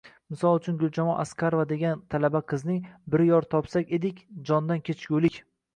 Misol uchun Guljamol Asqarova degan talaba qizning “Bir yor topsak edik, jondan kechgulik”